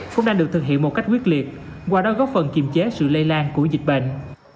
cũng đang được thực hiện một cách quyết liệt qua đó góp phần kiềm chế sự lây lan của dịch bệnh